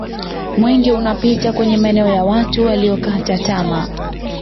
mwenge unapita kwenye maeneo ya watu waliyokata tama